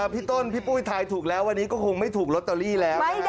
พี่ต้นพี่ปุ้ยทายถูกแล้ววันนี้ก็คงไม่ถูกลอตเตอรี่แล้ว